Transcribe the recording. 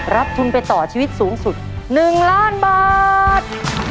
รับทุนไปต่อชีวิตสูงสุด๑ล้านบาท